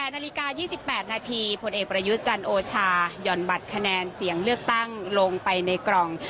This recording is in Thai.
นาฬิกา๒๘นาทีผลเอกประยุทธ์จันโอชาย่อนบัตรคะแนนเสียงเลือกตั้งลงไปในกล่อง